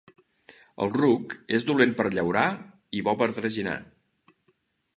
El ruc és dolent per llaurar i bo per traginar.